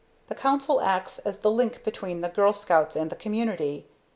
The Council acts as the link between the Girl Scouts and the community.